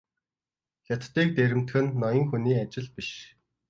Хятадыг дээрэмдэх нь ноён хүний ажил биш.